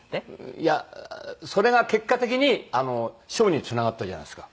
いやそれが結果的に賞につながったじゃないですか。